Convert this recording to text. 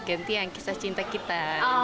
ganti yang kisah cinta kita